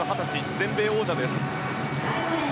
全米王者です。